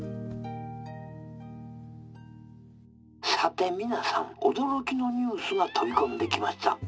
「さて皆さん驚きのニュースが飛び込んできました」。